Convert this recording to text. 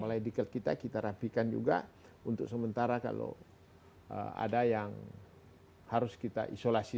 malaidical kita kita rapikan juga untuk sementara kalau ada yang harus kita isolasi